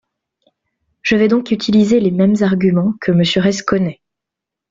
Je vais donc utiliser les mêmes arguments, que Monsieur Reiss connaît.